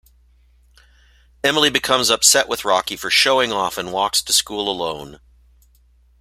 Emily becomes upset with Rocky for showing off and walks to school alone.